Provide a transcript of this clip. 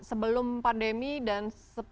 sebelum pandemi dan